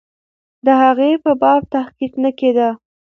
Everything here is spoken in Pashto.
د هغې په باب تحقیق نه کېده.